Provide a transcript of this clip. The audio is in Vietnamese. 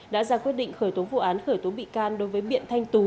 đã ra quyết định khởi tố vụ án khởi tố bị can đối với biện thanh tú